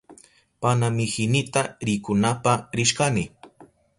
Panamihinita rikunapa rishkani.